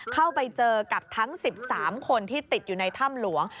เข้าไปเจอกับทั้ง๑๓คนที่ติดอยู่ในถ้ำหลวง